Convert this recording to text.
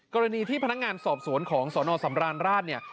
กรณีที่พนักงานสอบสวนของสนสำราญราชเนี่ย